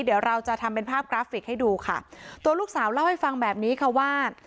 เดี๋ยวเราจะทำเป็นภาพกราฟิกให้ดูค่ะตัวลูกสาวเล่าให้ฟังแบบนี้ค่ะว่า